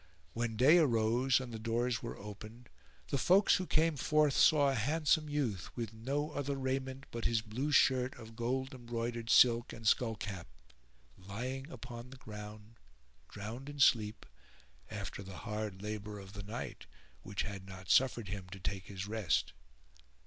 When day arose and the doors were opened, the folks who came forth saw a handsome youth, with no other raiment but his blue shirt of gold embroidered silk and skull cap,[FN#431] lying upon the ground drowned in sleep after the hard labour of the night which had not suffered him to take his rest.